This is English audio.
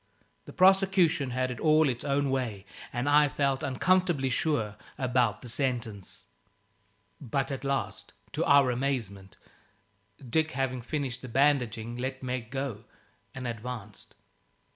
The prosecution had it all its own way, and I felt uncomfortably sure about the sentence. But at last, to our amazement, Dick, having finished the bandaging, let Meg go and advanced.